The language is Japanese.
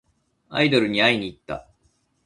アイドルに会いにいった。